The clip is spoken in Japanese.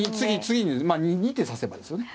次に２手指せばですよね。